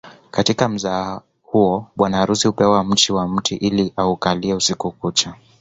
Katika mzaha huo bwana harusi hupewa mchi wa mti ili aukalie usiku kucha